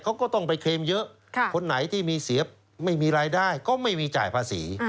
เขาก็ต้องไปเคลมเยอะคนไหนที่มีเสียไม่มีรายได้ก็ไม่มีจ่ายภาษี